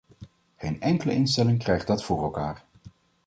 Geen enkele instelling krijgt dat voor elkaar.